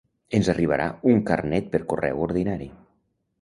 Ens arribarà un carnet per correu ordinari.